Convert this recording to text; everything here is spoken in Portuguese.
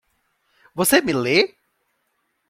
Você me lê?